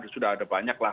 sudah ada banyak lah